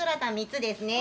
３つですね